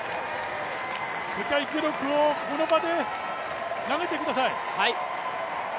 世界記録をこの場で投げてください。